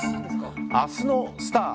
明日のスター☆